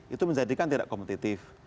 itu menjadikan tidak kompetitif